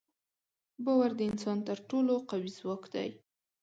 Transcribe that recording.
باور د انسان تر ټولو قوي ځواک دی.